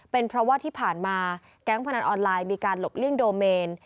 เป็นเพราะว่าที่ผ่านมาแก๊งพนันออนไลน์มีการหลบเลี่ยงโดเมน